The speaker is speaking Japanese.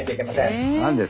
何ですか？